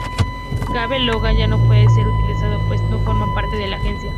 Gabe Logan ya no puede ser utilizado, pues no forma parte de "La Agencia".